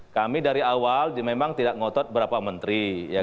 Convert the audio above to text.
kami dari awal memang tidak ngotot berapa menteri